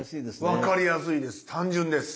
分かりやすいです